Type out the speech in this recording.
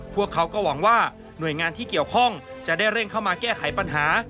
พวกเขาก็หวังว่าหน่วยงานที่เกี่ยวข้องจะได้เร่งเข้ามาแก้ไขปัญหา